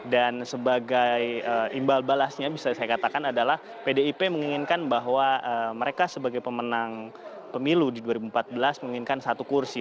dan sebagai imbal balasnya bisa saya katakan adalah pdip menginginkan bahwa mereka sebagai pemenang pemilu di dua ribu empat belas menginginkan satu kursi